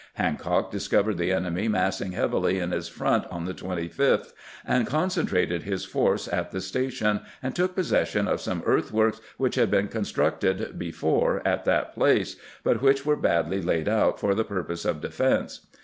Hancock discovered the enemy massing heavily in his front on the 25th, and concentrated his force at the station, and took possession of some earthworks which had been constructed before at that place, but which were badly laid out for the purpose of defense.